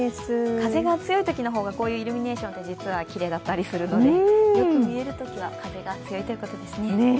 風が強いときのほうがこういうイルミネーションってきれいだったりするのでよく見えるときは風が強いということですね。